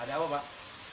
ada apa pak